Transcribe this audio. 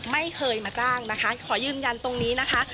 ไม่เคยมาจ้างนะคะขอยืนยันตรงนี้นะคะ